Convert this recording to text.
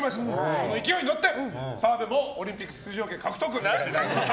その勢いに乗って澤部もオリンピック出場権獲得！